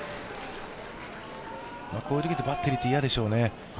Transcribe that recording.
こういうときって、バッテリーって嫌でしょうね。